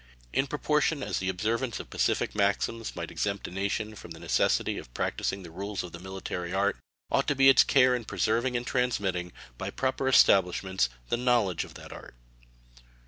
In proportion as the observance of pacific maxims might exempt a nation from the necessity of practicing the rules of the military art ought to be its care in preserving and transmitting, by proper establishments, the knowledge of that art.